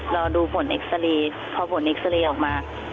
รอดูผลเอ็กซาเรย์พอผลเอ็กซาเรย์ออกมา